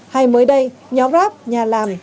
hay mới đây nhóm rap nhà làm